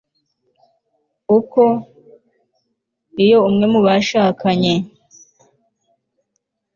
ko iyo umwe mu bashakanye